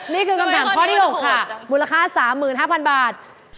นี่คือคำถามข้อที่๖ค่ะมูลค่า๓๕๐๐๐บาท